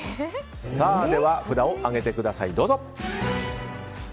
では、札を上げてください。